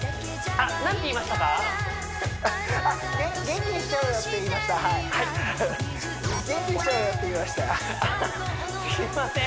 あっすいません